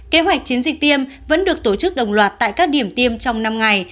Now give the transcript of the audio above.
kế hoạch chiến dịch tiêm vẫn được tổ chức đồng loạt tại các điểm tiêm trong năm ngày